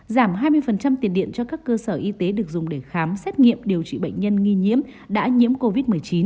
giảm hai mươi tiền điện cho các cơ sở y tế được dùng để khám xét nghiệm điều trị bệnh nhân nghi nhiễm đã nhiễm covid một mươi chín